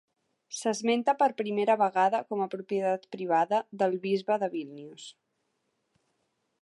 S'esmenta per primera vegada com a propietat privada del bisbe de Vilnius.